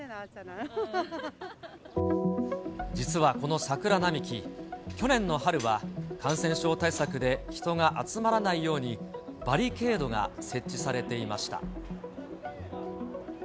実はこの桜並木、去年の春は、感染症対策で人が集まらないように、バリケードが設置されていました。